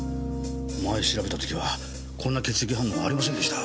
前調べた時はこんな血液反応ありませんでした。